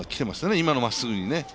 今のまっすぐにね。